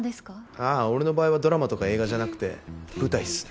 ああ俺の場合はドラマとか映画じゃなくて舞台っすね。